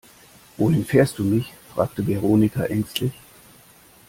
Wohin fährst du mich, fragte Veronika ängstlich.